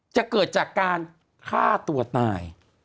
จะเกิดจากการฆ่าตัวตาย